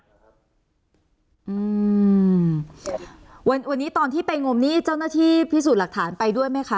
อืมวันนี้ตอนที่ไปงมนี่เจ้าหน้าที่พิสูจน์หลักฐานไปด้วยไหมคะ